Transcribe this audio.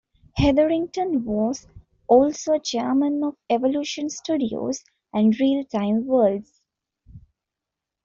Hetherington was also Chairman of "Evolution Studios" and "Realtime Worlds".